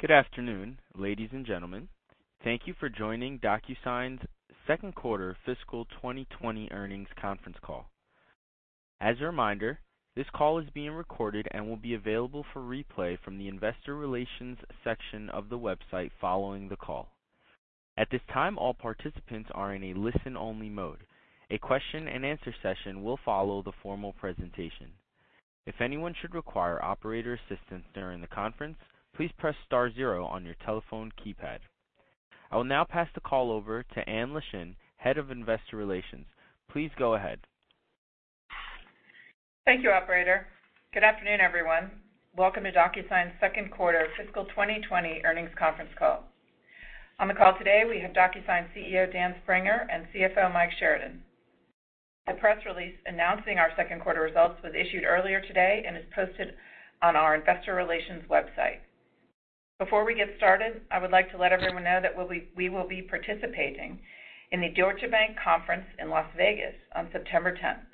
Good afternoon, ladies and gentlemen. Thank you for joining DocuSign's second quarter fiscal 2020 earnings conference call. As a reminder, this call is being recorded and will be available for replay from the Investor Relations section of the website following the call. At this time, all participants are in a listen-only mode. A question and answer session will follow the formal presentation. If anyone should require operator assistance during the conference, please press star zero on your telephone keypad. I will now pass the call over to Annie Leschin, Head of Investor Relations. Please go ahead. Thank you, operator. Good afternoon, everyone. Welcome to DocuSign's second quarter fiscal 2020 earnings conference call. On the call today, we have DocuSign CEO, Dan Springer, and CFO, Mike Sheridan. The press release announcing our second quarter results was issued earlier today and is posted on our investor relations website. Before we get started, I would like to let everyone know that we will be participating in the Deutsche Bank conference in Las Vegas on September 10th.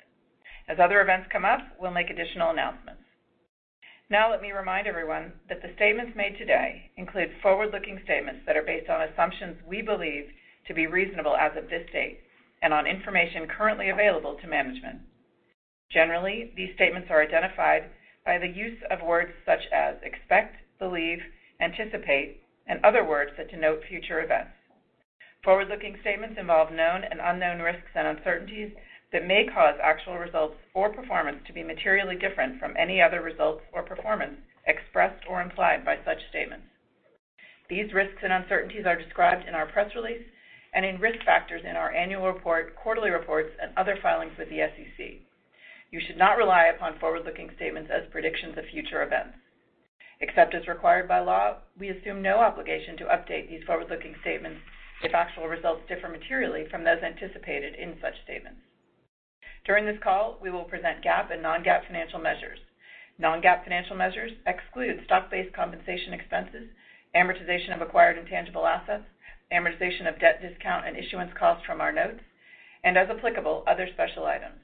Now, let me remind everyone that the statements made today include forward-looking statements that are based on assumptions we believe to be reasonable as of this date and on information currently available to management. Generally, these statements are identified by the use of words such as expect, believe, anticipate, and other words that denote future events. Forward-looking statements involve known and unknown risks and uncertainties that may cause actual results or performance to be materially different from any other results or performance expressed or implied by such statements. These risks and uncertainties are described in our press release and in risk factors in our annual report, quarterly reports, and other filings with the SEC. You should not rely upon forward-looking statements as predictions of future events. Except as required by law, we assume no obligation to update these forward-looking statements if actual results differ materially from those anticipated in such statements. During this call, we will present GAAP and non-GAAP financial measures. Non-GAAP financial measures exclude stock-based compensation expenses, amortization of acquired intangible assets, amortization of debt discount and issuance costs from our notes, and as applicable, other special items.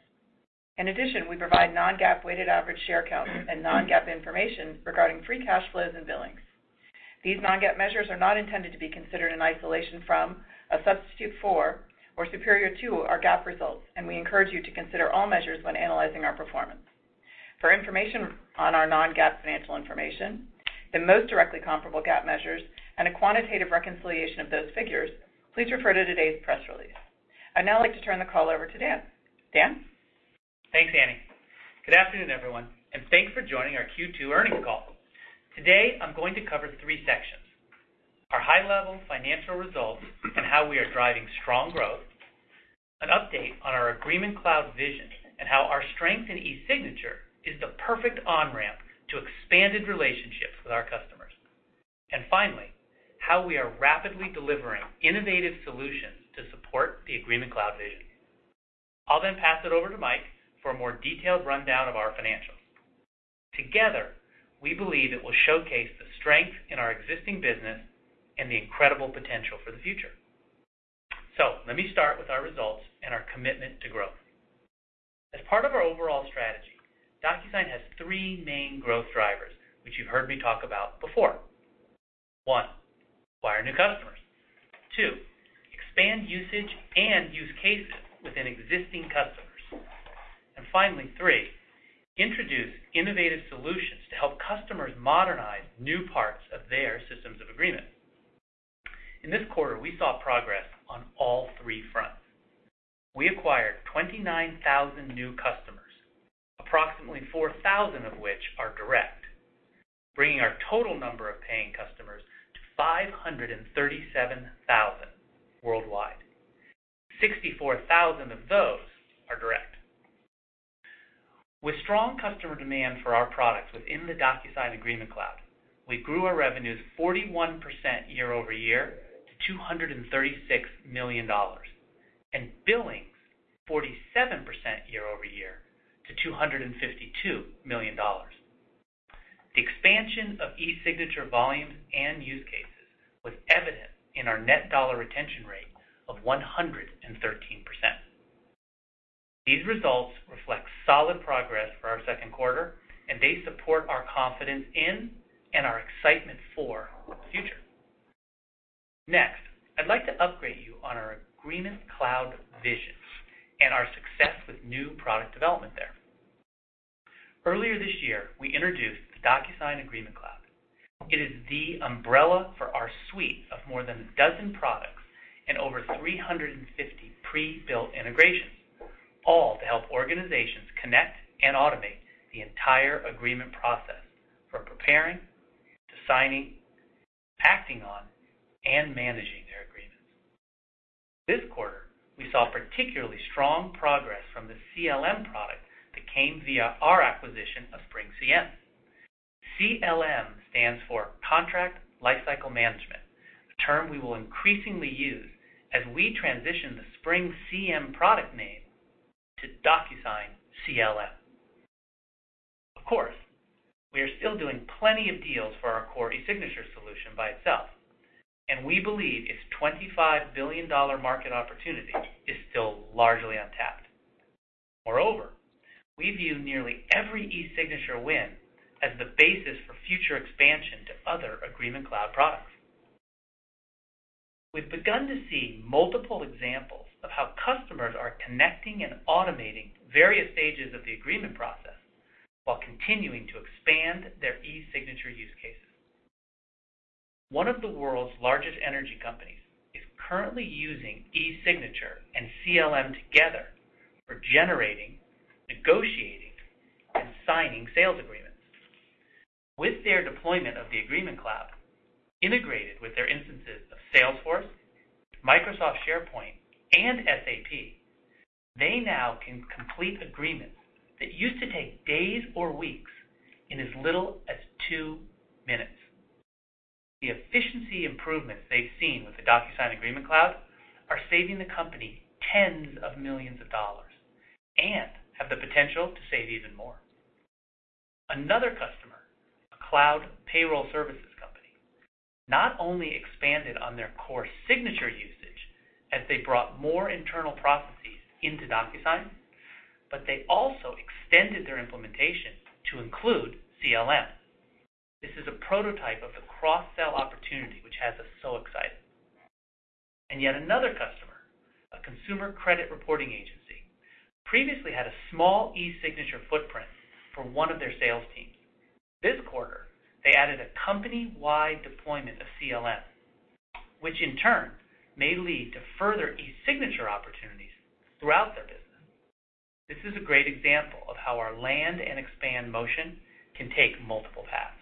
In addition, we provide non-GAAP weighted average share count and non-GAAP information regarding free cash flows and billings. These non-GAAP measures are not intended to be considered in isolation from, a substitute for, or superior to our GAAP results, and we encourage you to consider all measures when analyzing our performance. For information on our non-GAAP financial information, the most directly comparable GAAP measures, and a quantitative reconciliation of those figures, please refer to today's press release. I'd now like to turn the call over to Dan. Dan? Thanks, Annie. Good afternoon, everyone, and thanks for joining our Q2 earnings call. Today, I'm going to cover three sections, our high-level financial results and how we are driving strong growth, an update on our DocuSign Agreement Cloud vision and how our strength in DocuSign eSignature is the perfect on-ramp to expanded relationships with our customers, and finally, how we are rapidly delivering innovative solutions to support the DocuSign Agreement Cloud vision. I'll pass it over to Mike for a more detailed rundown of our financials. Together, we believe it will showcase the strength in our existing business and the incredible potential for the future. Let me start with our results and our commitment to growth. As part of our overall strategy, DocuSign has three main growth drivers, which you've heard me talk about before. One, acquire new customers. Two, expand usage and use cases within existing customers. Finally, three, introduce innovative solutions to help customers modernize new parts of their systems of agreement. In this quarter, we saw progress on all three fronts. We acquired 29,000 new customers, approximately 4,000 of which are direct, bringing our total number of paying customers to 537,000 worldwide. 64,000 of those are direct. With strong customer demand for our products within the DocuSign Agreement Cloud, we grew our revenues 41% year-over-year to $236 million, and billings 47% year-over-year to $252 million. The expansion of eSignature volume and use cases was evident in our net dollar retention rate of 113%. These results reflect solid progress for our second quarter, and they support our confidence in and our excitement for the future. Next, I'd like to update you on our Agreement Cloud vision and our success with new product development there. Earlier this year, we introduced the DocuSign Agreement Cloud. It is the umbrella for our suite of more than a dozen products and over 350 pre-built integrations, all to help organizations connect and automate the entire agreement process for preparing, signing, acting on, and managing their agreements. This quarter, we saw particularly strong progress from the CLM product that came via our acquisition of SpringCM. CLM stands for Contract Lifecycle Management, the term we will increasingly use as we transition the SpringCM product name to DocuSign CLM. Of course, we are still doing plenty of deals for our core eSignature solution by itself. We believe its $25 billion market opportunity is still largely untapped. Moreover, we view nearly every eSignature win as the basis for future expansion to other Agreement Cloud products. We've begun to see multiple examples of how customers are connecting and automating various stages of the agreement process while continuing to expand their eSignature use cases. One of the world's largest energy companies is currently using eSignature and CLM together for generating, negotiating, and signing sales agreements. With their deployment of the Agreement Cloud integrated with their instances of Salesforce, Microsoft SharePoint, and SAP, they now can complete agreements that used to take days or weeks in as little as two minutes. The efficiency improvements they've seen with the DocuSign Agreement Cloud are saving the company tens of millions of dollars and have the potential to save even more. Another customer, a cloud payroll services company, not only expanded on their core eSignature usage as they brought more internal processes into DocuSign, but they also extended their implementation to include CLM. This is a prototype of the cross-sell opportunity which has us so excited. Yet another customer, a consumer credit reporting agency, previously had a small eSignature footprint for one of their sales teams. This quarter, they added a company-wide deployment of CLM, which in turn may lead to further eSignature opportunities throughout their business. This is a great example of how our land and expand motion can take multiple paths.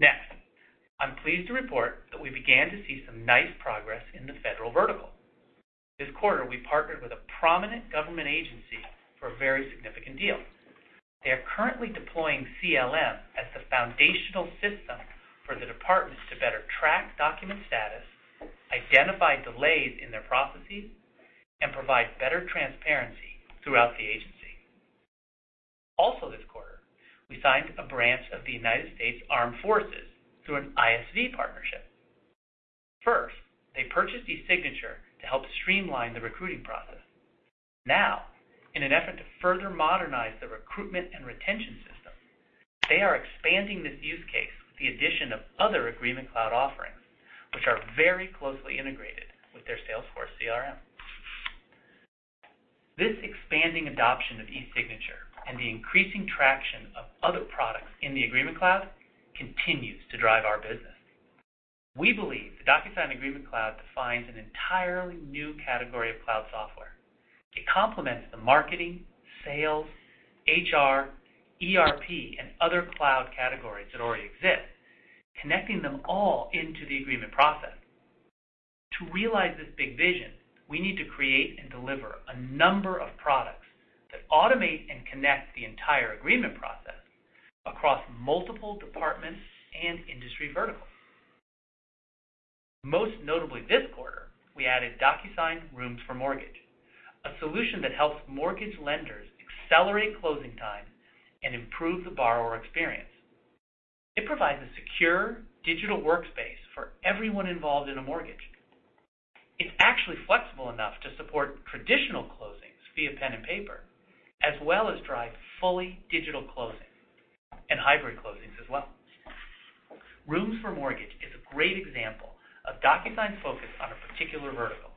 Next, I'm pleased to report that we began to see some nice progress in the federal vertical. This quarter, we partnered with a prominent government agency for a very significant deal. They are currently deploying CLM as the foundational system for the department to better track document status, identify delays in their processes, and provide better transparency throughout the agency. Also this quarter, we signed a branch of the United States Armed Forces through an ISV partnership. First, they purchased eSignature to help streamline the recruiting process. Now, in an effort to further modernize their recruitment and retention system, they are expanding this use case with the addition of other Agreement Cloud offerings, which are very closely integrated with their Salesforce CRM. This expanding adoption of eSignature and the increasing traction of other products in the Agreement Cloud continues to drive our business. We believe the DocuSign Agreement Cloud defines an entirely new category of cloud software. It complements the marketing, sales, HR, ERP, and other cloud categories that already exist, connecting them all into the agreement process. To realize this big vision, we need to create and deliver a number of products that automate and connect the entire agreement process across multiple departments and industry verticals. Most notably this quarter, we added DocuSign Rooms for Mortgage, a solution that helps mortgage lenders accelerate closing times and improve the borrower experience. It provides a secure digital workspace for everyone involved in a mortgage. It's actually flexible enough to support traditional closings via pen and paper, as well as drive fully digital closings and hybrid closings as well. Rooms for Mortgage is a great example of DocuSign's focus on a particular vertical.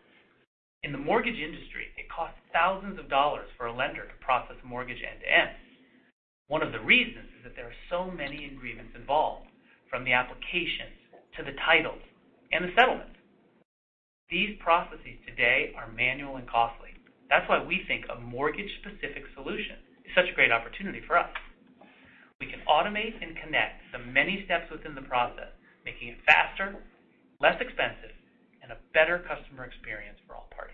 In the mortgage industry, it costs thousands of dollars for a lender to process a mortgage end to end. One of the reasons is that there are so many agreements involved, from the applications to the titles and the settlement. These processes today are manual and costly. That's why we think a mortgage-specific solution is such a great opportunity for us. We can automate and connect the many steps within the process, making it faster, less expensive, and a better customer experience for all parties.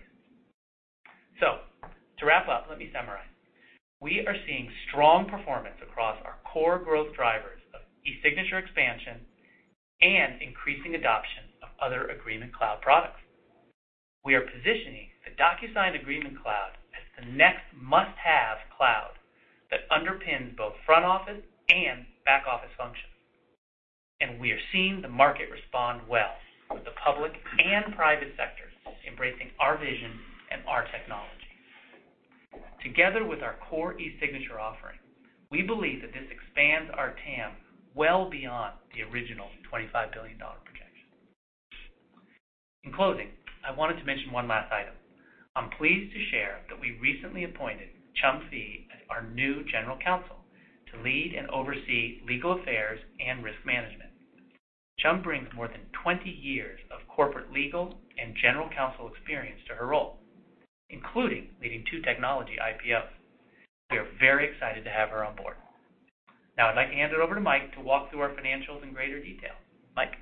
To wrap up, let me summarize. We are seeing strong performance across our core growth drivers of eSignature expansion and increasing adoption of other Agreement Cloud products. We are positioning the DocuSign Agreement Cloud as the next must-have cloud that underpins both front-office and back-office functions. We are seeing the market respond well, with the public and private sectors embracing our vision and our technology. Together with our core eSignature offering, we believe that this expands our TAM well beyond the original $25 billion projection. In closing, I wanted to mention one last item. I'm pleased to share that we recently appointed Trâm Phi as our new general counsel to lead and oversee legal affairs and risk management. Trâm brings more than 20 years of corporate legal and general counsel experience to her role, including leading two technology IPOs. We are very excited to have her on board. I'd like to hand it over to Mike to walk through our financials in greater detail. Mike?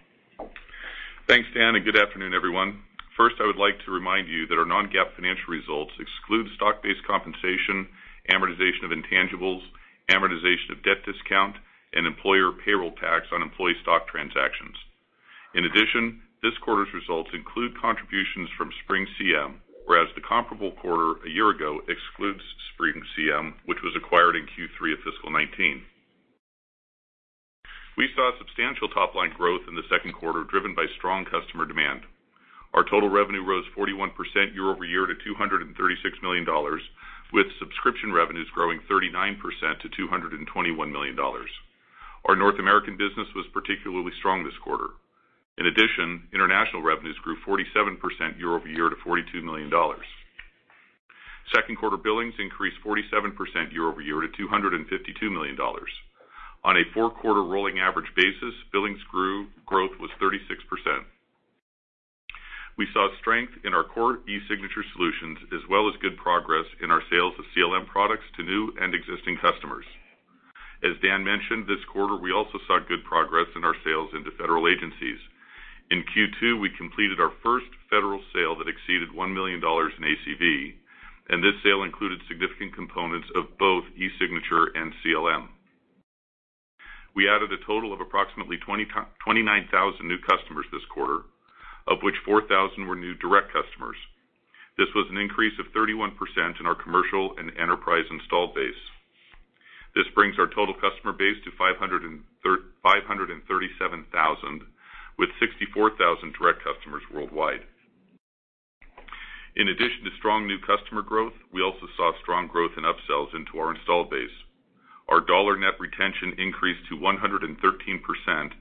Thanks, Dan. Good afternoon, everyone. First, I would like to remind you that our non-GAAP financial results exclude stock-based compensation, amortization of intangibles, amortization of debt discount, and employer payroll tax on employee stock transactions. In addition, this quarter's results include contributions from SpringCM, whereas the comparable quarter a year ago excludes SpringCM, which was acquired in Q3 of fiscal 2019. We saw substantial top-line growth in the second quarter, driven by strong customer demand. Our total revenue rose 41% year-over-year to $236 million, with subscription revenues growing 39% to $221 million. Our North American business was particularly strong this quarter. In addition, international revenues grew 47% year-over-year to $42 million. Second quarter billings increased 47% year-over-year to $252 million. On a four-quarter rolling average basis, billings growth was 36%. We saw strength in our core eSignature solutions, as well as good progress in our sales of CLM products to new and existing customers. As Dan mentioned, this quarter, we also saw good progress in our sales into federal agencies. In Q2, we completed our first federal sale that exceeded $1 million in ACV, and this sale included significant components of both eSignature and CLM. We added a total of approximately 29,000 new customers this quarter, of which 4,000 were new direct customers. This was an increase of 31% in our commercial and enterprise installed base. This brings our total customer base to 537,000, with 64,000 direct customers worldwide. In addition to strong new customer growth, we also saw strong growth in upsells into our installed base. Our dollar net retention increased to 113%,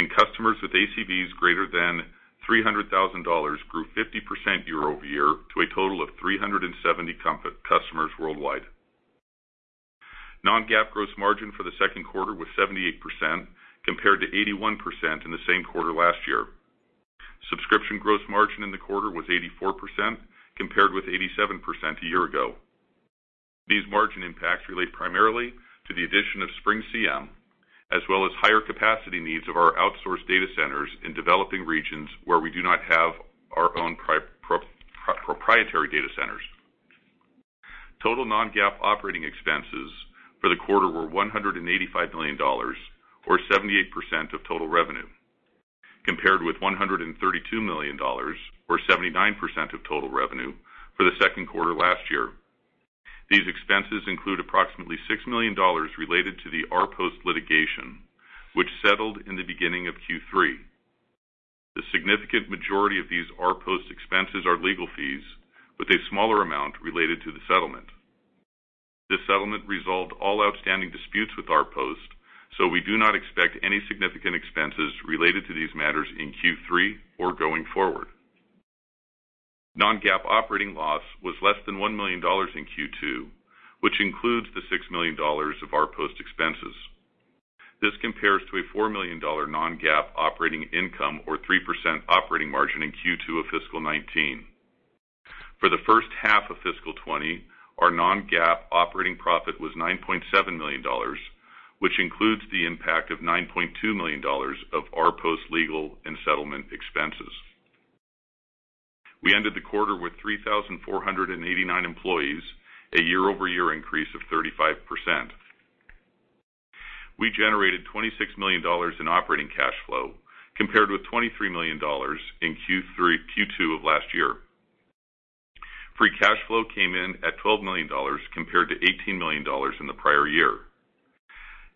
and customers with ACVs greater than $300,000 grew 50% year-over-year to a total of 370 customers worldwide. Non-GAAP gross margin for the second quarter was 78%, compared to 81% in the same quarter last year. Subscription gross margin in the quarter was 84%, compared with 87% a year ago. These margin impacts relate primarily to the addition of SpringCM, as well as higher capacity needs of our outsourced data centers in developing regions where we do not have our own proprietary data centers. Total non-GAAP operating expenses for the quarter were $185 million, or 78% of total revenue, compared with $132 million, or 79% of total revenue, for the second quarter last year. These expenses include approximately $6 million related to the RPost litigation, which settled in the beginning of Q3. The significant majority of these RPost expenses are legal fees, with a smaller amount related to the settlement. This settlement resolved all outstanding disputes with RPost. We do not expect any significant expenses related to these matters in Q3 or going forward. Non-GAAP operating loss was less than $1 million in Q2, which includes the $6 million of RPost expenses. This compares to a $4 million non-GAAP operating income or 3% operating margin in Q2 of fiscal 2019. For the first half of fiscal 2020, our non-GAAP operating profit was $9.7 million, which includes the impact of $9.2 million of RPost legal and settlement expenses. We ended the quarter with 3,489 employees, a year-over-year increase of 35%. We generated $26 million in operating cash flow, compared with $23 million in Q2 of last year. Free cash flow came in at $12 million, compared to $18 million in the prior year.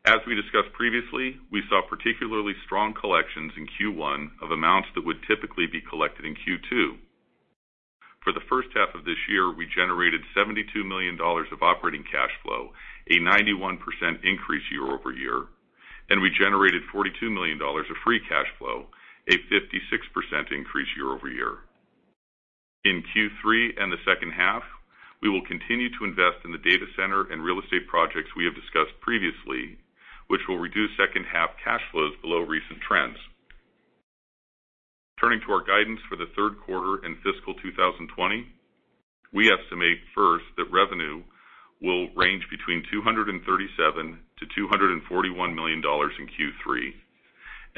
As we discussed previously, we saw particularly strong collections in Q1 of amounts that would typically be collected in Q2. For the first half of this year, we generated $72 million of operating cash flow, a 91% increase year-over-year, and we generated $42 million of free cash flow, a 56% increase year-over-year. In Q3 and the second half, we will continue to invest in the data center and real estate projects we have discussed previously, which will reduce second half cash flows below recent trends. Turning to our guidance for the third quarter and fiscal 2020, we estimate first that revenue will range between $237 million-$241 million in Q3,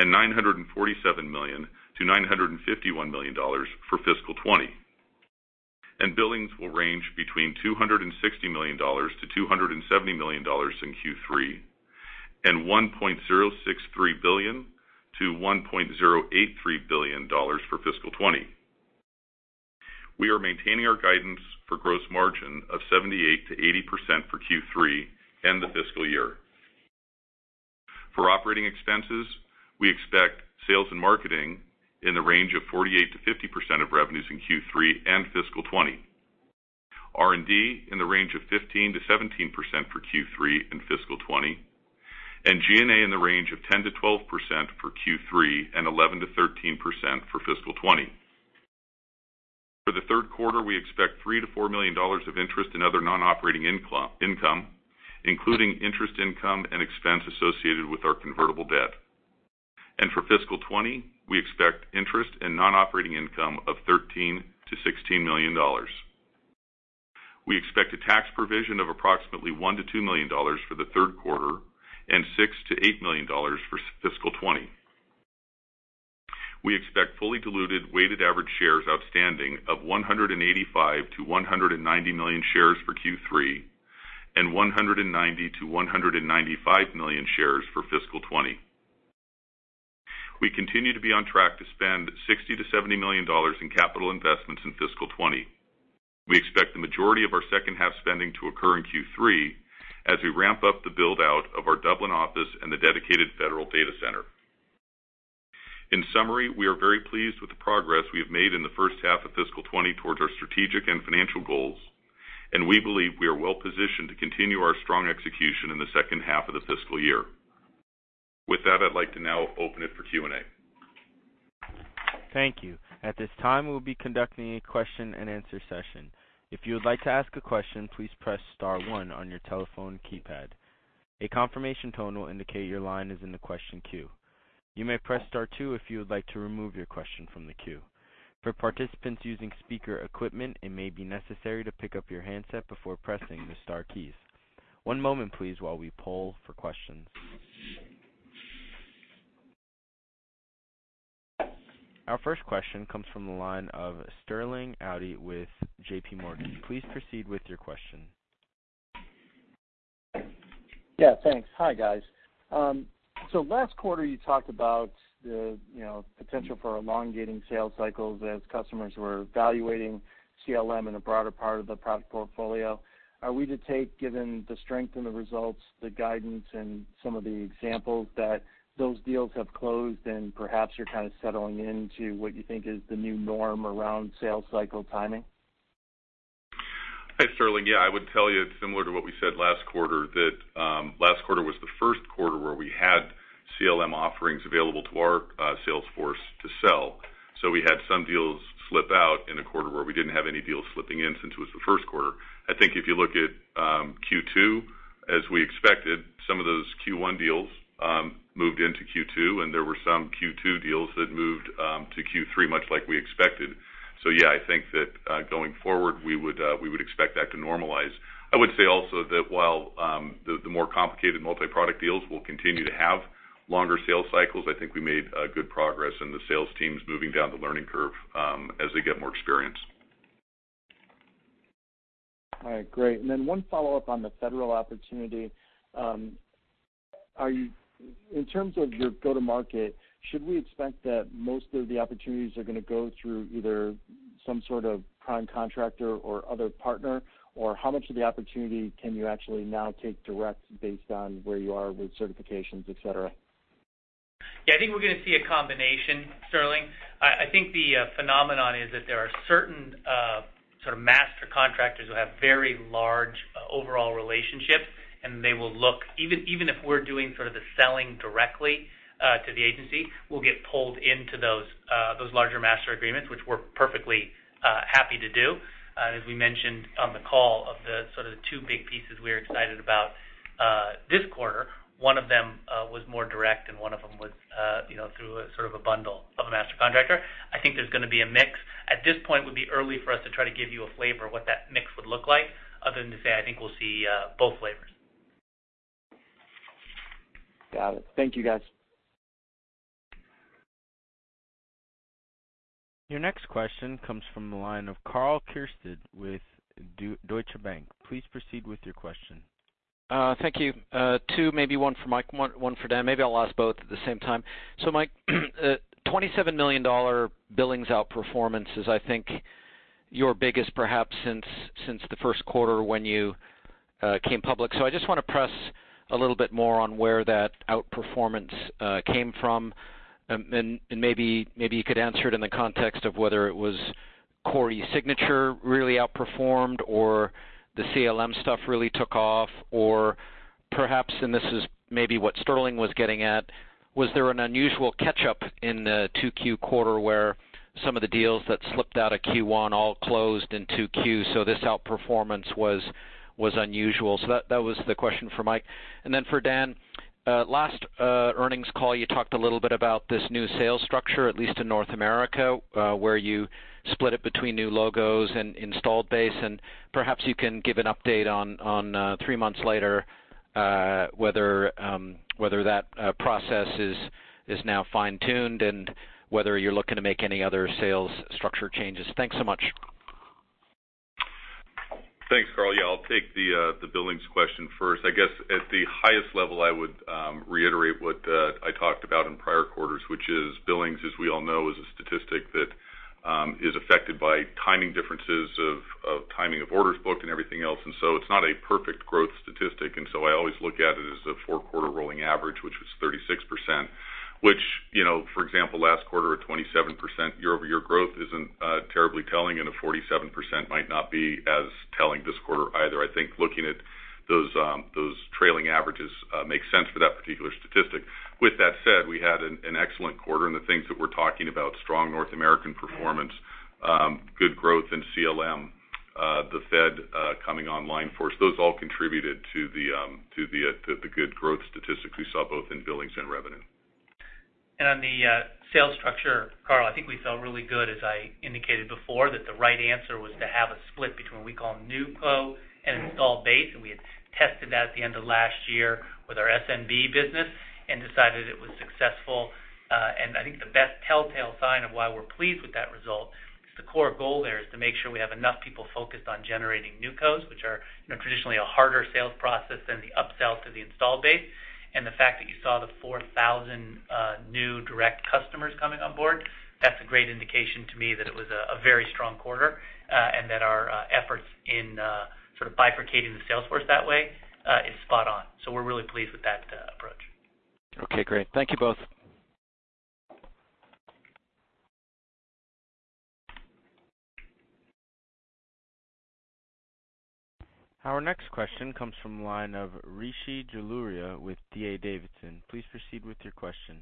and $947 million-$951 million for fiscal 2020. Billings will range between $260 million to $270 million in Q3, and $1.063 billion to $1.083 billion for fiscal 2020. We are maintaining our guidance for gross margin of 78%-80% for Q3 and the fiscal year. For operating expenses, we expect sales and marketing in the range of 48%-50% of revenues in Q3 and fiscal 2020, R&D in the range of 15%-17% for Q3 and fiscal 2020, and G&A in the range of 10%-12% for Q3 and 11%-13% for fiscal 2020. For the third quarter, we expect $3 million-$4 million of interest in other non-operating income, including interest income and expense associated with our convertible debt. For fiscal 2020, we expect interest and non-operating income of $13 million-$16 million. We expect a tax provision of approximately $1 million-$2 million for the third quarter and $6 million-$8 million for fiscal 2020. We expect fully diluted weighted average shares outstanding of 185 million-190 million shares for Q3 and 190 million-195 million shares for fiscal 2020. We continue to be on track to spend $60 million-$70 million in capital investments in fiscal 2020. We expect the majority of our second half spending to occur in Q3, as we ramp up the build-out of our Dublin office and the dedicated federal data center. In summary, we are very pleased with the progress we have made in the first half of fiscal 2020 towards our strategic and financial goals, and we believe we are well-positioned to continue our strong execution in the second half of the fiscal year. With that, I'd like to now open it for Q&A. Thank you. At this time, we'll be conducting a question and answer session. If you would like to ask a question, please press star 1 on your telephone keypad. A confirmation tone will indicate your line is in the question queue. You may press star 2 if you would like to remove your question from the queue. For participants using speaker equipment, it may be necessary to pick up your handset before pressing the star keys. One moment please, while we poll for questions. Our first question comes from the line of Sterling Auty with JPMorgan. Please proceed with your question. Yeah, thanks. Hi, guys. Last quarter you talked about the potential for elongating sales cycles as customers were evaluating CLM in a broader part of the product portfolio. Are we to take, given the strength in the results, the guidance, and some of the examples, that those deals have closed and perhaps you're kind of settling into what you think is the new norm around sales cycle timing? Hi, Sterling. Yeah. I would tell you it's similar to what we said last quarter, that last quarter was the first quarter where we had CLM offerings available to our sales force to sell. We had some deals slip out in a quarter where we didn't have any deals slipping in, since it was the first quarter. I think if you look at Q2, as we expected, some of those Q1 deals moved into Q2, and there were some Q2 deals that moved to Q3, much like we expected. Yeah, I think that going forward, we would expect that to normalize. I would say also that while the more complicated multi-product deals will continue to have longer sales cycles, I think we made good progress in the sales teams moving down the learning curve, as they get more experience. All right, great. One follow-up on the federal opportunity. In terms of your go to market, should we expect that most of the opportunities are going to go through either some sort of prime contractor or other partner? Or how much of the opportunity can you actually now take direct based on where you are with certifications, et cetera? Yeah. I think we're going to see a combination, Sterling. I think the phenomenon is that there are certain sort of master contractors who have very large overall relationships, and they will look, even if we're doing sort of the selling directly to the agency, we'll get pulled into those larger master agreements, which we're perfectly happy to do. As we mentioned on the call, of the sort of two big pieces we are excited about this quarter, one of them was more direct, and one of them was through a sort of a bundle of a master contractor. I think there's going to be a mix. At this point, it would be early for us to try to give you a flavor of what that mix would look like, other than to say, I think we'll see both flavors. Got it. Thank you, guys. Your next question comes from the line of Karl Keirstead with Deutsche Bank. Please proceed with your question. Thank you. Two, maybe one for Mike, one for Dan. Maybe I'll ask both at the same time. Mike, $27 million billings outperformance is, I think, your biggest perhaps since the first quarter when you came public. I just want to press a little bit more on where that outperformance came from, and maybe you could answer it in the context of whether it was core eSignature really outperformed, or the CLM stuff really took off, or perhaps, and this is maybe what Sterling was getting at, was there an unusual catch-up in the 2Q quarter where some of the deals that slipped out of Q1 all closed in 2Q, so this outperformance was unusual? That was the question for Mike. For Dan, last earnings call, you talked a little bit about this new sales structure, at least in North America, where you split it between new logos and installed base. Perhaps you can give an update on, three months later, whether that process is now fine-tuned and whether you're looking to make any other sales structure changes. Thanks so much. Thanks, Karl. Yeah, I'll take the billings question first. I guess at the highest level, I would reiterate what I talked about in prior quarters, which is billings, as we all know, is a statistic that is affected by timing differences of timing of orders booked and everything else. It's not a perfect growth statistic, and so I always look at it as a four-quarter rolling average, which was 36%, which, for example, last quarter at 27% year-over-year growth isn't terribly telling, and a 47% might not be as telling this quarter either. I think looking at those trailing averages makes sense for that particular statistic. With that said, we had an excellent quarter in the things that we're talking about, strong North American performance, good growth in CLM, the Fed coming online for us. Those all contributed to the good growth statistics we saw both in billings and revenue. On the sales structure, Karl, I think we felt really good, as I indicated before, that the right answer was to have a split between what we call new cust and installed base, and we had tested that at the end of last year with our SMB business and decided it was successful. I think the best telltale sign of why we're pleased with that result. The core goal there is to make sure we have enough people focused on generating new custs, which are traditionally a harder sales process than the upsell to the installed base. The fact that you saw the 4,000 new direct customers coming on board, that's a great indication to me that it was a very strong quarter, and that our efforts in sort of bifurcating the sales force that way is spot on. We're really pleased with that approach. Okay, great. Thank you both. Our next question comes from the line of Rishi Jaluria with D.A. Davidson. Please proceed with your question.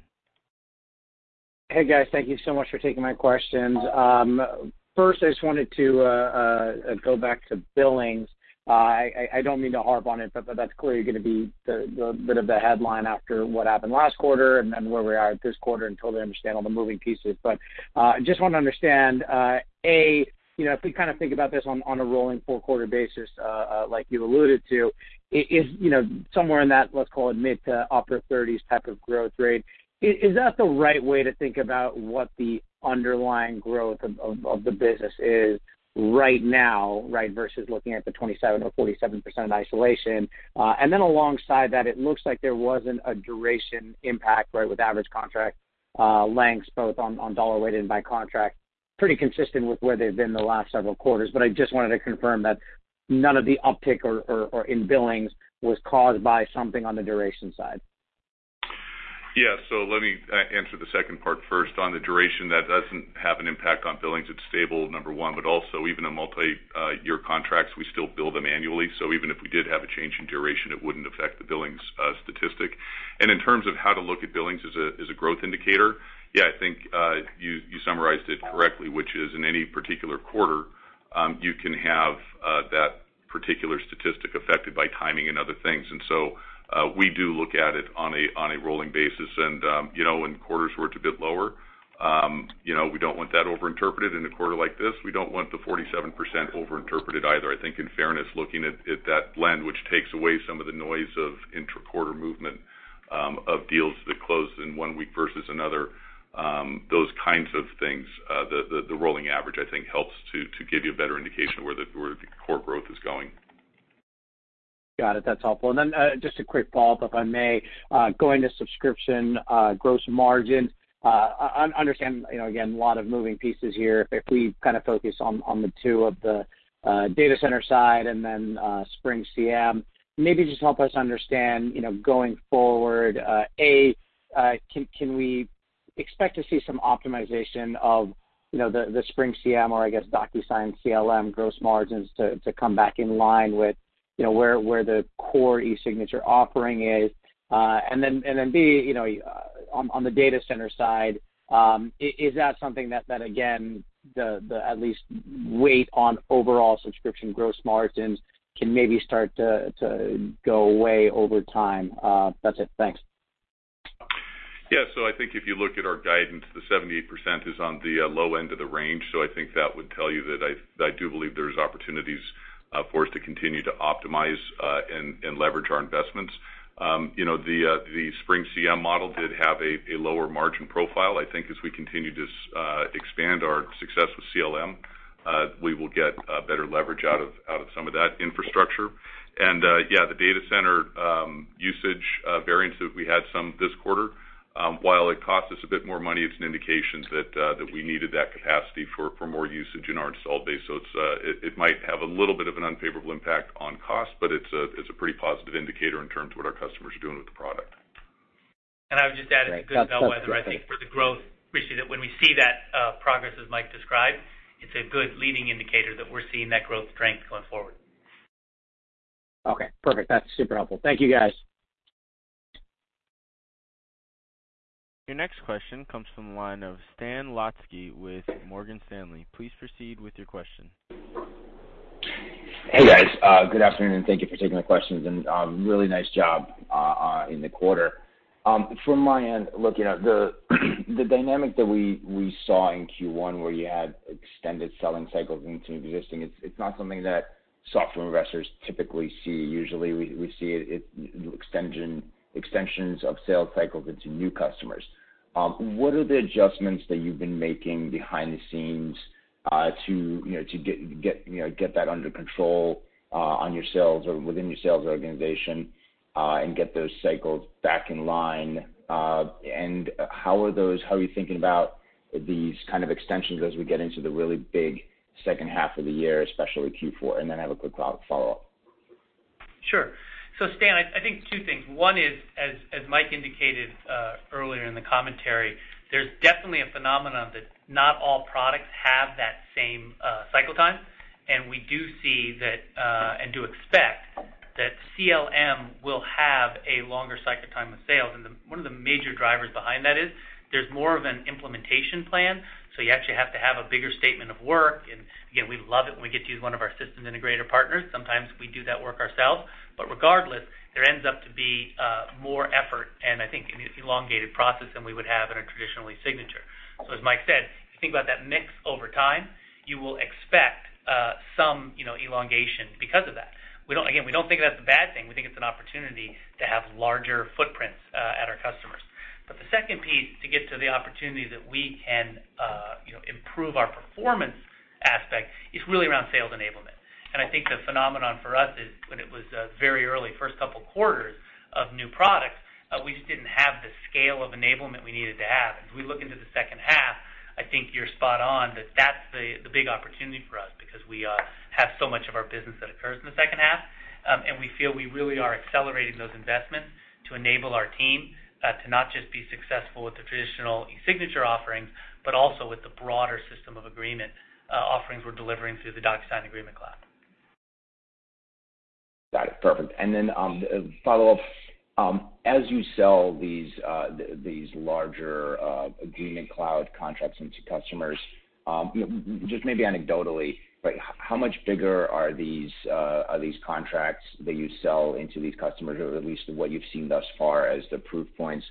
Hey, guys. Thank you so much for taking my questions. First, I just wanted to go back to billings. I don't mean to harp on it, that's clearly going to be the bit of the headline after what happened last quarter and where we are at this quarter until they understand all the moving pieces. Just want to understand, A, if we think about this on a rolling four-quarter basis, like you've alluded to, somewhere in that, let's call it mid to upper thirties type of growth rate, is that the right way to think about what the underlying growth of the business is right now, right, versus looking at the 27% or 47% isolation? Alongside that, it looks like there wasn't a duration impact, right, with average contract lengths, both on dollar weighted and by contract, pretty consistent with where they've been the last several quarters. I just wanted to confirm that none of the uptick in billings was caused by something on the duration side. Yeah. Let me answer the second part first. On the duration, that doesn't have an impact on billings. It's stable, number one, but also even on multi-year contracts, we still bill them annually. Even if we did have a change in duration, it wouldn't affect the billings statistic. In terms of how to look at billings as a growth indicator, yeah, I think you summarized it correctly, which is in any particular quarter, you can have that particular statistic affected by timing and other things. We do look at it on a rolling basis and in quarters where it's a bit lower, we don't want that over-interpreted. In a quarter like this, we don't want the 47% over-interpreted either. I think in fairness, looking at that blend, which takes away some of the noise of intra-quarter movement of deals that closed in one week versus another, those kinds of things, the rolling average, I think, helps to give you a better indication of where the core growth is going. Got it. That's helpful. Just a quick follow-up, if I may, going to subscription gross margin. Understand, again, a lot of moving pieces here. If we focus on the two of the data center side and then SpringCM, maybe just help us understand, going forward, A, can we expect to see some optimization of the SpringCM or I guess DocuSign CLM gross margins to come back in line with where the core eSignature offering is? B, on the data center side, is that something that then again, the at least weight on overall subscription gross margins can maybe start to go away over time? That's it. Thanks. I think if you look at our guidance, the 78% is on the low end of the range. I think that would tell you that I do believe there's opportunities for us to continue to optimize and leverage our investments. The SpringCM model did have a lower margin profile. I think as we continue to expand our success with CLM, we will get better leverage out of some of that infrastructure. The data center usage variance that we had some this quarter, while it cost us a bit more money, it's an indication that we needed that capacity for more usage in our installed base. It might have a little bit of an unfavorable impact on cost, but it's a pretty positive indicator in terms of what our customers are doing with the product. I would just add, it's a good bellwether, I think, for the growth, Rishi, that when we see that progress, as Mike described, it's a good leading indicator that we're seeing that growth strength going forward. Okay, perfect. That's super helpful. Thank you, guys. Your next question comes from the line of Stan Zlotsky with Morgan Stanley. Please proceed with your question. Hey, guys. Good afternoon. Thank you for taking the questions, and really nice job in the quarter. From my end, look, the dynamic that we saw in Q1 where you had extended selling cycles into existing, it's not something that software investors typically see. Usually, we see extensions of sales cycles into new customers. What are the adjustments that you've been making behind the scenes to get that under control on your sales or within your sales organization, and get those cycles back in line? How are you thinking about these kind of extensions as we get into the really big second half of the year, especially Q4? I have a quick follow-up. Sure. Stan, I think two things. One is, as Mike indicated earlier in the commentary, there's definitely a phenomenon that not all products have that same cycle time, and we do see that, and do expect that CLM will have a longer cycle time with sales. One of the major drivers behind that is there's more of an implementation plan, so you actually have to have a bigger statement of work. Again, we love it when we get to use one of our system integrator partners. Sometimes we do that work ourselves. Regardless, there ends up to be more effort, and I think an elongated process than we would have in a traditional signature. As Mike said, if you think about that mix over time, you will expect some elongation because of that. Again, we don't think of that as a bad thing. We think it's an opportunity to have larger footprints. Second piece to get to the opportunity that we can improve our performance aspect is really around sales enablement. I think the phenomenon for us is when it was very early, first couple quarters of new products, we just didn't have the scale of enablement we needed to have. As we look into the second half, I think you're spot on that that's the big opportunity for us because we have so much of our business that occurs in the second half. We feel we really are accelerating those investments to enable our team to not just be successful with the traditional eSignature offerings, but also with the broader system of agreement offerings we're delivering through the DocuSign Agreement Cloud. Got it. Perfect. Follow-up, as you sell these larger Agreement Cloud contracts into customers, just maybe anecdotally, but how much bigger are these contracts that you sell into these customers, or at least what you've seen thus far as the proof points?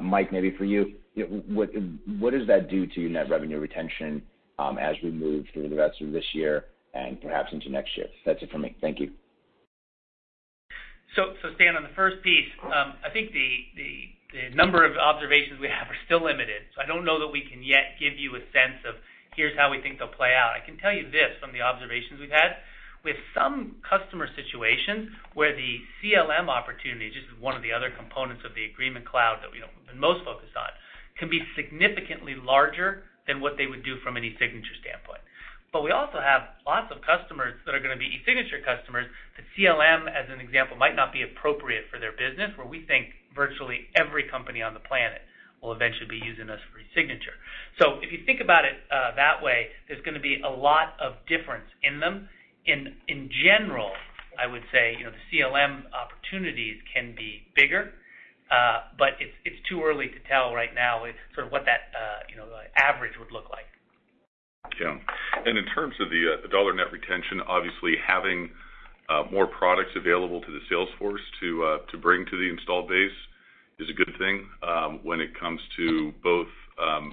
Mike, maybe for you, what does that do to your net revenue retention as we move through the rest of this year and perhaps into next year? That's it for me. Thank you. Stan, on the first piece, I think the number of observations we have are still limited. I don't know that we can yet give you a sense of here's how we think they'll play out. I can tell you this from the observations we've had, with some customer situations where the CLM opportunity, just as one of the other components of the Agreement Cloud that we have been most focused on, can be significantly larger than what they would do from an eSignature standpoint. We also have lots of customers that are gonna be eSignature customers that CLM, as an example, might not be appropriate for their business, where we think virtually every company on the planet will eventually be using us for eSignature. If you think about it that way, there's gonna be a lot of difference in them. In general, I would say, the CLM opportunities can be bigger, but it's too early to tell right now sort of what that average would look like. In terms of the $ net retention, obviously having more products available to the sales force to bring to the installed base is a good thing, when it comes to both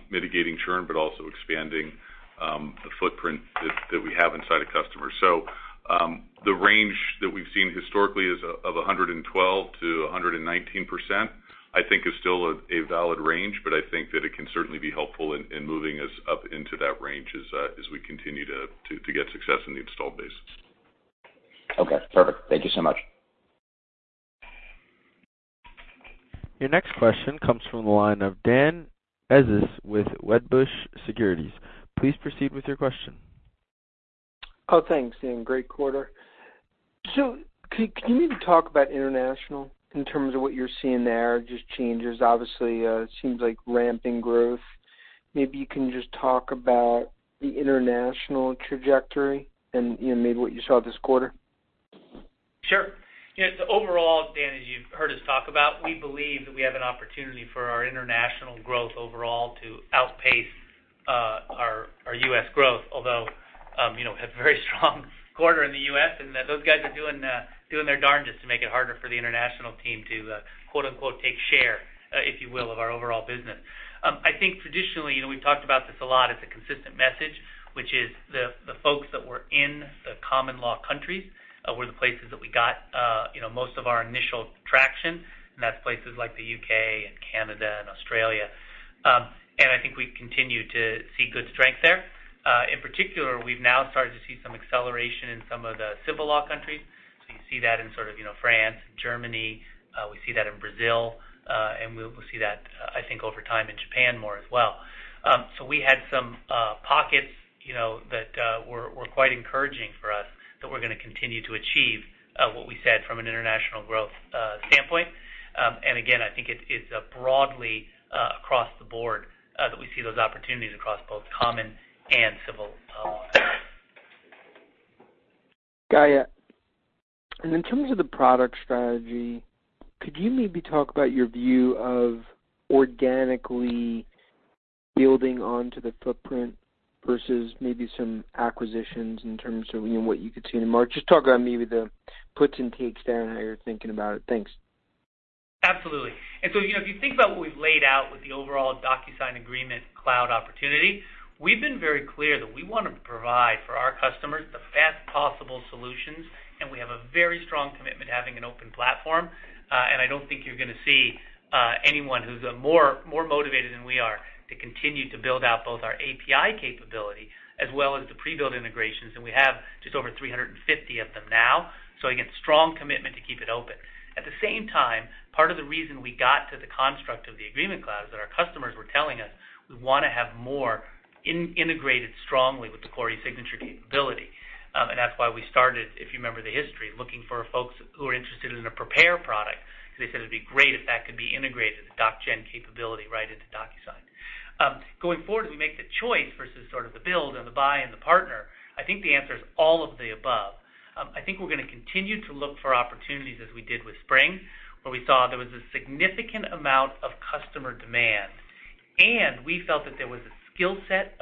mitigating churn, but also expanding the footprint that we have inside a customer. The range that we've seen historically is of 112%-119%, I think is still a valid range, but I think that it can certainly be helpful in moving us up into that range as we continue to get success in the installed base. Okay, perfect. Thank you so much. Your next question comes from the line of Dan Ives with Wedbush Securities. Please proceed with your question. Thanks, Dan. Great quarter. Can you maybe talk about international in terms of what you're seeing there, just changes? Obviously, it seems like ramping growth. Maybe you can just talk about the international trajectory and maybe what you saw this quarter. Sure. Yeah, overall, Dan, as you've heard us talk about, we believe that we have an opportunity for our international growth overall to outpace our U.S. growth, although, have very strong quarter in the U.S., and those guys are doing their darndest to make it harder for the international team to "take share" if you will, of our overall business. Traditionally, we've talked about this a lot, it's a consistent message, which is the folks that were in the common law countries, were the places that we got most of our initial traction, and that's places like the U.K., and Canada, and Australia. I think we continue to see good strength there. In particular, we've now started to see some acceleration in some of the civil law countries. You see that in France and Germany. We see that in Brazil. We'll see that, I think, over time in Japan more as well. We had some pockets that were quite encouraging for us that we're gonna continue to achieve what we said from an international growth standpoint. Again, I think it's broadly across the board, that we see those opportunities across both common and civil law countries. Gaia], in terms of the product strategy, could you maybe talk about your view of organically building onto the footprint versus maybe some acquisitions in terms of what you could see in the market? Just talk about maybe the puts and takes there and how you're thinking about it. Thanks. Absolutely. If you think about what we've laid out with the overall DocuSign Agreement Cloud opportunity, we've been very clear that we want to provide for our customers the best possible solutions, and we have a very strong commitment to having an open platform. I don't think you're gonna see anyone who's more motivated than we are to continue to build out both our API capability as well as the pre-built integrations, and we have just over 350 of them now. Again, strong commitment to keep it open. Part of the reason we got to the construct of the Agreement Cloud is that our customers were telling us we want to have more integrated strongly with the core eSignature capability. That's why we started, if you remember the history, looking for folks who are interested in a prepare product because they said it'd be great if that could be integrated, the DocuSign Gen capability right into DocuSign. Going forward, as we make the choice versus sort of the build and the buy and the partner, I think the answer is all of the above. I think we're gonna continue to look for opportunities as we did with Spring, where we saw there was a significant amount of customer demand, and we felt that there was a skill set,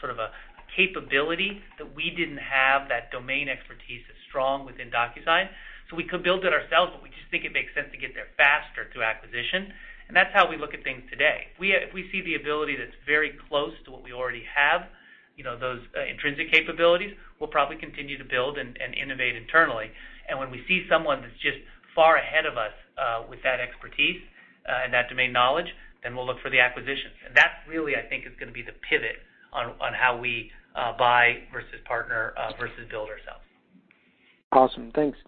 sort of a capability that we didn't have that domain expertise as strong within DocuSign. We could build it ourselves, but we just think it makes sense to get there faster through acquisition. That's how we look at things today. If we see the ability that's very close to what we already have. Those intrinsic capabilities, we'll probably continue to build and innovate internally. When we see someone that's just far ahead of us with that expertise and that domain knowledge, then we'll look for the acquisitions. That really, I think, is going to be the pivot on how we buy versus partner versus build ourselves. Awesome. Thanks.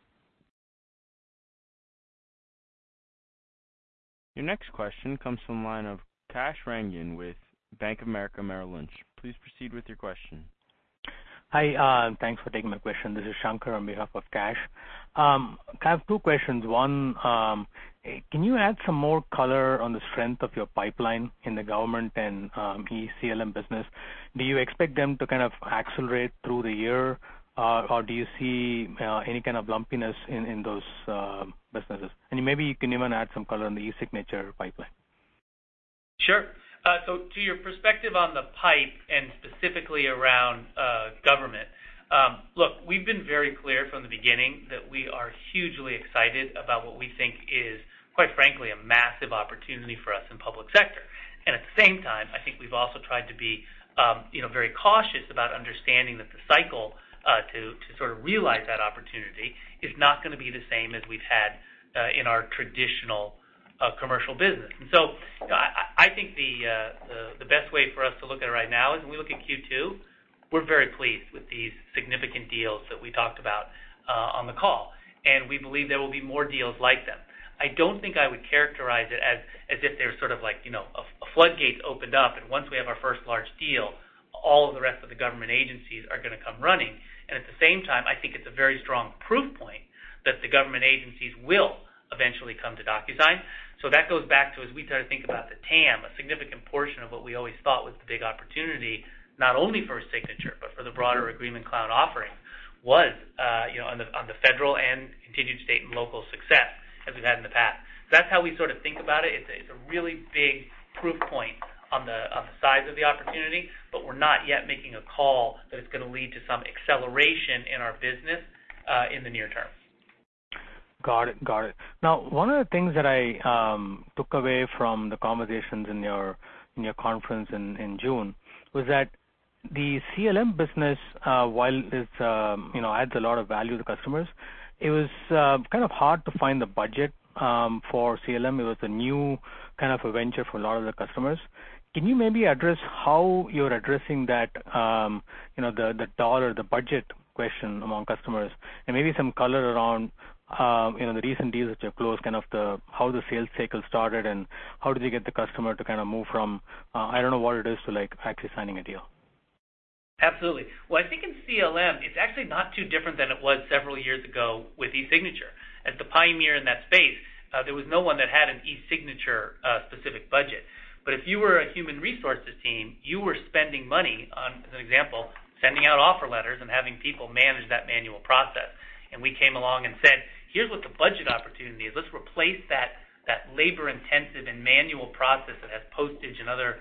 Your next question comes from the line of Kash Rangan with Bank of America Merrill Lynch. Please proceed with your question. Hi. Thanks for taking my question. This is Shankar on behalf of Kash. I have two questions. One, can you add some more color on the strength of your pipeline in the government and CLM business? Do you expect them to kind of accelerate through the year, or do you see any kind of lumpiness in those businesses? Maybe you can even add some color on the eSignature pipeline. Sure. To your perspective on the pipe and specifically around government. Look, we've been very clear from the beginning that we are hugely excited about what we think is, quite frankly, a massive opportunity for us in public sector. At the same time, I think we've also tried to be very cautious about understanding that the cycle to sort of realize that opportunity is not going to be the same as we've had in our traditional commercial business. I think the best way for us to look at it right now is when we look at Q2, we're very pleased with these significant deals that we talked about on the call, and we believe there will be more deals like them. I don't think I would characterize it as if they're sort of like a floodgates opened up, and once we have our first large deal, all of the rest of the government agencies are going to come running. At the same time, I think it's a very strong proof point that the government agencies will eventually come to DocuSign. That goes back to, as we try to think about the TAM, a significant portion of what we always thought was the big opportunity, not only for a signature, but for the broader Agreement Cloud offering, was on the federal and continued state and local success as we've had in the past. That's how we sort of think about it. It's a really big proof point on the size of the opportunity, but we're not yet making a call that it's going to lead to some acceleration in our business in the near term. Got it. One of the things that I took away from the conversations in your conference in June was that the CLM business, while it adds a lot of value to customers, it was kind of hard to find the budget for CLM. It was a new kind of a venture for a lot of the customers. Can you maybe address how you're addressing the dollar, the budget question among customers? Maybe some color around the recent deals that you've closed, kind of how the sales cycle started, and how did you get the customer to kind of move from, "I don't know what it is" to actually signing a deal? Absolutely. Well, I think in CLM, it's actually not too different than it was several years ago with eSignature. If you were a human resources team, you were spending money on, as an example, sending out offer letters and having people manage that manual process. We came along and said, "Here's what the budget opportunity is. Let's replace that labor-intensive and manual process that has postage and other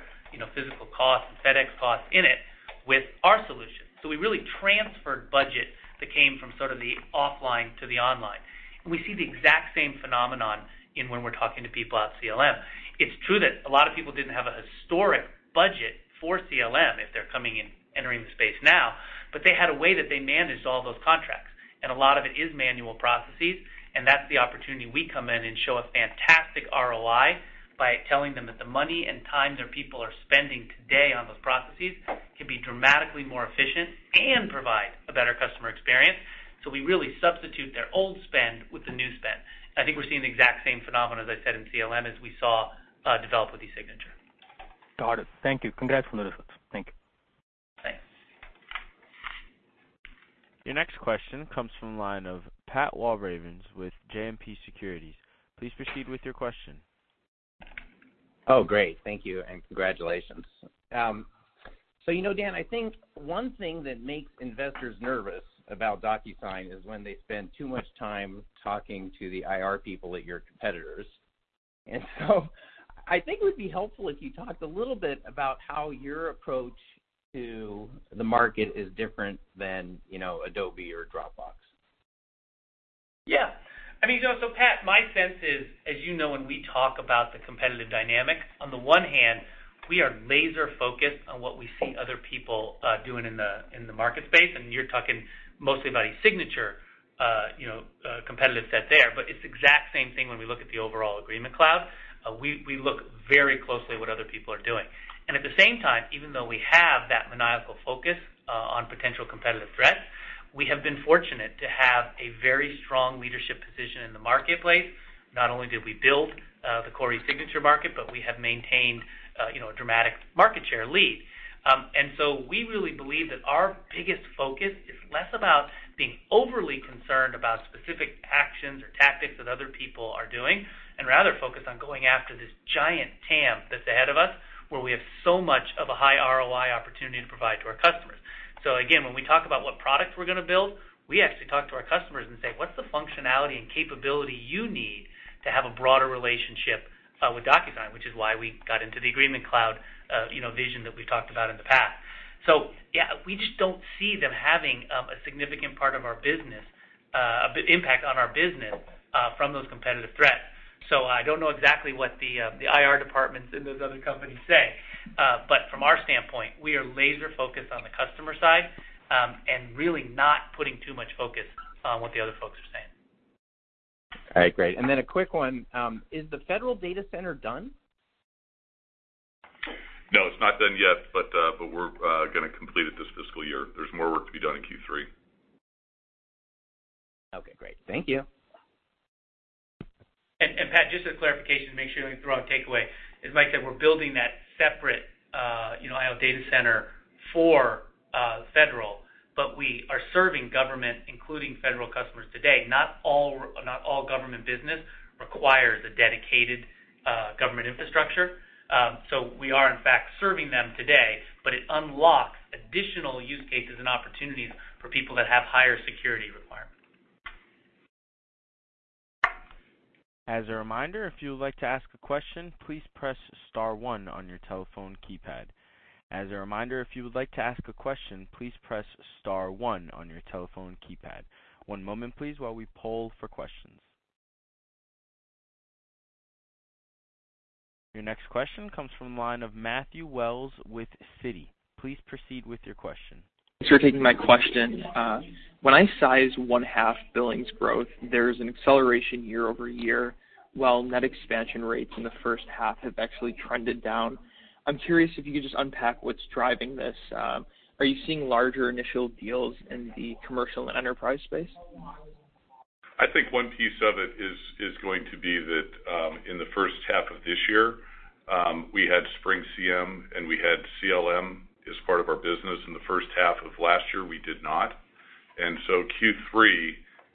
physical costs and FedEx costs in it with our solution." We really transferred budget that came from sort of the offline to the online, and we see the exact same phenomenon in when we're talking to people at CLM. It's true that a lot of people didn't have a historic budget for CLM if they're coming in, entering the space now, but they had a way that they managed all those contracts, and a lot of it is manual processes, and that's the opportunity we come in and show a fantastic ROI by telling them that the money and time their people are spending today on those processes can be dramatically more efficient and provide a better customer experience. We really substitute their old spend with the new spend. I think we're seeing the exact same phenomenon, as I said, in CLM, as we saw develop with eSignature. Got it. Thank you. Congrats on the results. Thank you. Thanks. Your next question comes from the line of Pat Walravens with JMP Securities. Please proceed with your question. Oh, great. Thank you, and congratulations. Dan, I think one thing that makes investors nervous about DocuSign is when they spend too much time talking to the IR people at your competitors. I think it would be helpful if you talked a little bit about how your approach to the market is different than Adobe or Dropbox? Yeah. Pat, my sense is, as you know, when we talk about the competitive dynamics, on the one hand, we are laser-focused on what we see other people doing in the market space, and you're talking mostly about eSignature competitive set there. It's the exact same thing when we look at the overall Agreement Cloud. We look very closely at what other people are doing. At the same time, even though we have that maniacal focus on potential competitive threats, we have been fortunate to have a very strong leadership position in the marketplace. Not only did we build the core eSignature market, but we have maintained a dramatic market share lead. We really believe that our biggest focus is less about being overly concerned about specific actions or tactics that other people are doing, and rather focused on going after this giant TAM that's ahead of us, where we have so much of a high ROI opportunity to provide to our customers. Again, when we talk about what products we're going to build, we actually talk to our customers and say, "What's the functionality and capability you need to have a broader relationship with DocuSign?" Which is why we got into the Agreement Cloud vision that we talked about in the past. Yeah, we just don't see them having a significant part of our business an impact on our business from those competitive threats. I don't know exactly what the IR departments in those other companies say. From our standpoint, we are laser focused on the customer side and really not putting too much focus on what the other folks are saying. All right, great. A quick one. Is the federal data center done? No, it's not done yet, but we're going to complete it this fiscal year. There's more work to be done in Q3. Okay, great. Thank you. Pat, just as clarification to make sure you don't get the wrong takeaway, as Mike said, we're building that separate IL data center for federal, but we are serving government, including federal customers today. Not all government business requires a dedicated government infrastructure. We are, in fact, serving them today, but it unlocks additional use cases and opportunities for people that have higher security requirements. As a reminder, if you would like to ask a question, please press star one on your telephone keypad. One moment, please, while we poll for questions. Your next question comes from the line of Matthew Wells with Citi. Please proceed with your question. Thanks for taking my question. When I size one half billings growth, there's an acceleration year-over-year, while net expansion rates in the first half have actually trended down. I'm curious if you could just unpack what's driving this. Are you seeing larger initial deals in the commercial and enterprise space? I think one piece of it is going to be that in the first half of this year, we had SpringCM, and we had CLM as part of our business. In the first half of last year, we did not. Q3,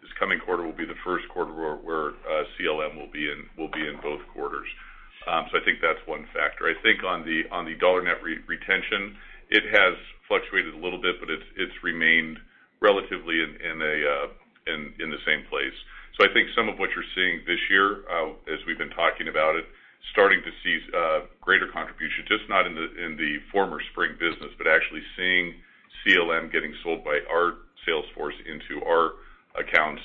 this coming quarter, will be the first quarter where CLM will be in both quarters. I think that's one factor. I think on the dollar net retention, it has fluctuated a little bit, but it's remained relatively in the same place. I think some of what you're seeing this year, as we've been talking about it, starting to see greater contribution, just not in the former SpringCM business, but actually seeing CLM getting sold by our sales force into our accounts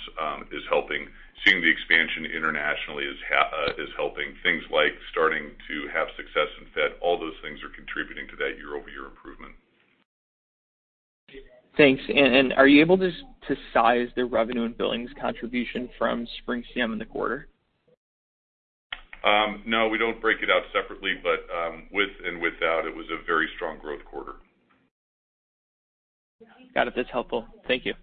is helping. Seeing the expansion internationally is helping. Things like starting to have success in Fed, all those things are contributing to that year-over-year improvement. Thanks. Are you able to size the revenue and billings contribution from SpringCM in the quarter? No, we don't break it out separately, but with and without, it was a very strong growth quarter. Got it. That's helpful. Thank you.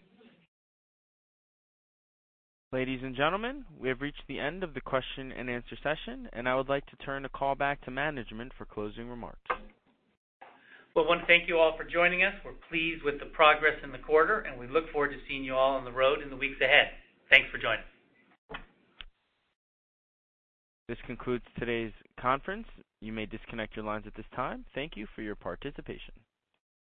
Ladies and gentlemen, we have reached the end of the question and answer session, and I would like to turn the call back to management for closing remarks. Well, I want to thank you all for joining us. We're pleased with the progress in the quarter, and we look forward to seeing you all on the road in the weeks ahead. Thanks for joining us. This concludes today's conference. You may disconnect your lines at this time. Thank you for your participation.